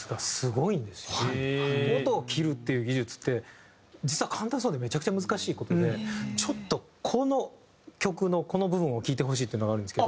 音を切るっていう技術って実は簡単そうでめちゃくちゃ難しい事でちょっとこの曲のこの部分を聴いてほしいっていうのがあるんですけど。